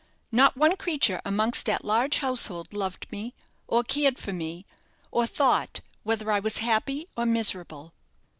Not one creature amongst that large household loved me, or cared for me, or thought whether I was happy or miserable.